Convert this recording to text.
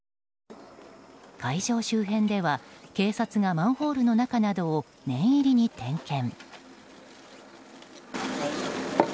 会場周辺では警察がマンホールの中などを念入りに点検。